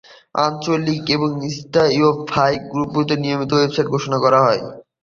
আঞ্চলিক এবং স্থানীয় ফাই গ্রুপগুলো নিয়মিতভাবে ওয়েবসাইটে ঘোষণা করা হয়।